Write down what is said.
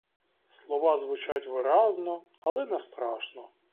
Слова звучать виразно, але не страшно.